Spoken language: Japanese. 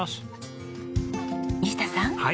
西田さん